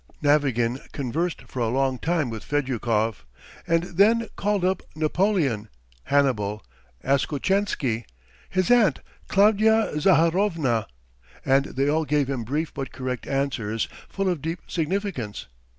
Navagin conversed for a long time with Fedyukov, and then called up Napoleon, Hannibal, Askotchensky, his aunt Klavdya Zaharovna, and they all gave him brief but correct answers full of deep significance.